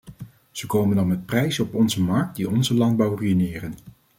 Ze komen dan met prijzen op onze markt die onze landbouw ruïneren.